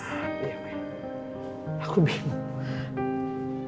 iya ben aku bingung